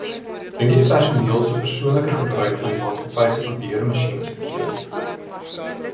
Dink jy die personeel se persoonlike gebruik van die maatskappy se kopieermasjien is verkeerd?